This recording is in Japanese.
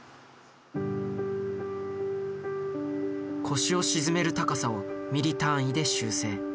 腰を沈める高さをミリ単位で修正。